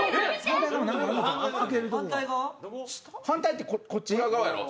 反対ってこっち？